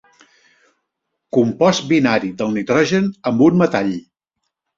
Compost binari del nitrogen amb un metall.